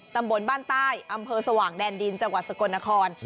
ตำบลบ้านใต้อำเภอสว่างแดนดินจังหวัดสกลนคร